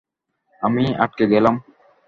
আমি আটকে গেলাম।